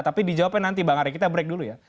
tapi dijawabnya nanti bang ari kita break dulu ya